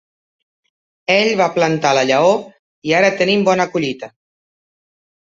Ell va plantar la llavor i ara tenim bona collita.